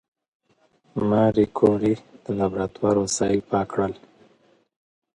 ماري کوري د لابراتوار وسایل پاک کړل.